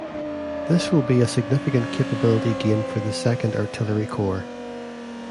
This will be a significant capability gain for the Second Artillery Corps.